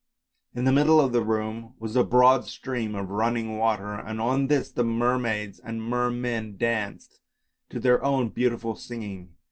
In the middle of the room was a broad stream of running water, and on this the mermaids and mermen danced to their own beautiful singing.